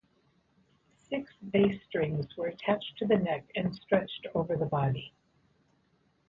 Six bass strings were attached to the neck and stretched over the body.